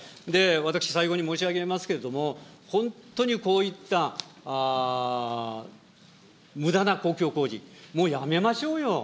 私、最後に申し上げますけれども、本当にこういったむだな公共工事、もうやめましょうよ。